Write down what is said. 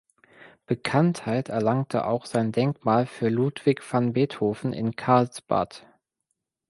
Bekanntheit erlangte auch sein Denkmal für Ludwig van Beethoven in Karlsbad.